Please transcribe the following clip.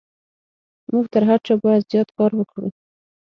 موږ تر هر چا بايد زيات کار وکړو.